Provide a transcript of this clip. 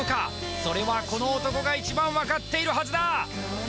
それはこの男が一番分かっているはずだ！